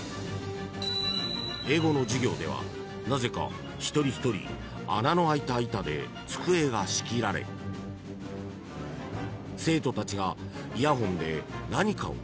［英語の授業ではなぜか一人一人穴の開いた板で机が仕切られ生徒たちがイヤホンで何かを聞いています］